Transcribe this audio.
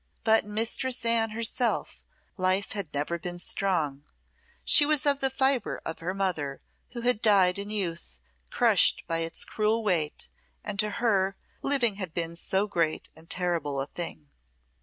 But in Mistress Anne herself life had never been strong; she was of the fibre of her mother, who had died in youth, crushed by its cruel weight, and to her, living had been so great and terrible a thing.